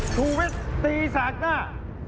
ถูกวิทย์ตีสากหน้า